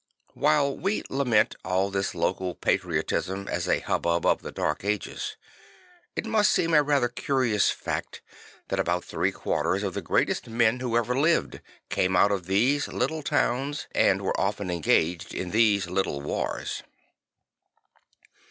While \ve lament all this local patriotism as a hubbub of the Dark Ages, it must seem a rather curious fact that about three quarters of the greatest men \vho ever lived came out of these little towns and \vere often engaged in these little \vars.